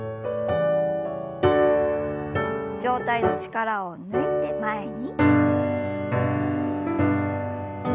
上体の力を抜いて前に。